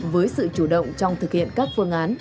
với sự chủ động trong thực hiện các phương án